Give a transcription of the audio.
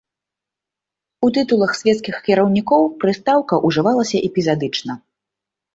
У тытулах свецкіх кіраўнікоў прыстаўка ўжывалася эпізадычна.